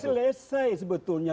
sudah selesai sebetulnya